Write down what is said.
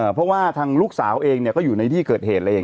เพราะว่าทางลูกสาวเองก็อยู่ในที่เกิดเหตุเลยเอง